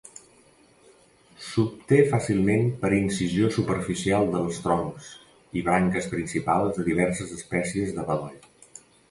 S'obté fàcilment per incisió superficial dels troncs i branques principals de diverses espècies de bedoll.